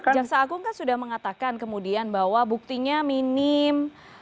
jaksagung kan sudah mengatakan kemudian bahwa buktinya minim